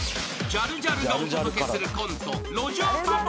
［ジャルジャルがお届けするコント］